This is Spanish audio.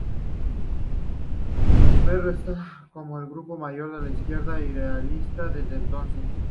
Meretz resta como el grupo mayor en la izquierda israelita desde entonces.